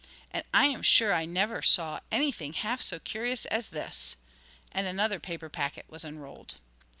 'And I am sure I never saw anything half so curious as this!' And another paper packet was unrolled.